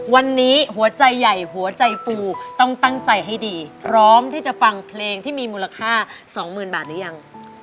วันนี้หัวใจใหญ่หัวใจฟูต้องตั้งใจให้ดีพร้อมที่จะฟังเพลงที่มีมูลค่าสองหมื่นบาทหรือยัง